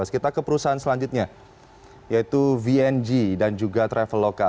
kita ke perusahaan selanjutnya yaitu vng dan juga traveloka